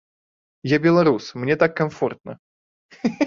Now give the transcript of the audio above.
Я беларус, мне так камфортна.